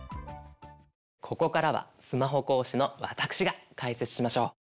ここからはスマホ講師の私が解説しましょう。